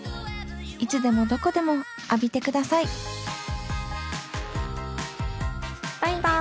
いつでもどこでも浴びてくださいバイバイ。